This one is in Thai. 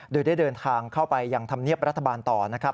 โดยได้เดินทางเข้าไปยังธรรมเนียบรัฐบาลต่อนะครับ